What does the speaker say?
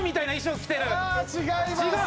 違います。